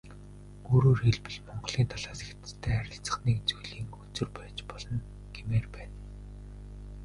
Өөрөөр хэлбэл, Монголын талаас Хятадтай харилцах нэг зүйлийн хөзөр байж болно гэмээр байна.